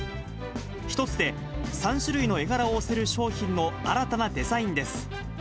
１つで３種類の絵柄を押せる商品の新たなデザインです。